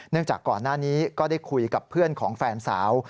จากก่อนหน้านี้ก็ได้คุยกับเพื่อนของแฟนสาว